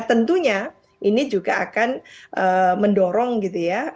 tentunya ini juga akan mendorong gitu ya